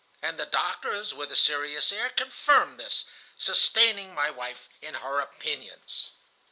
And the doctors, with a serious air, confirmed this, sustaining my wife in her opinions.